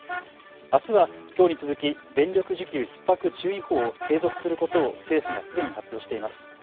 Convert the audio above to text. あすはきょうに続き電力需給ひっ迫注意報を継続することを政府がすでに発表しています。